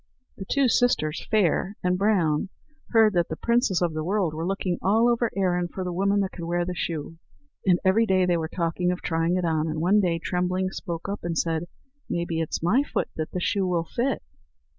The two sisters, Fair and Brown, heard that the princes of the world were looking all over Erin for the woman that could wear the shoe, and every day they were talking of trying it on; and one day Trembling spoke up and said: "Maybe it's my foot that the shoe will fit."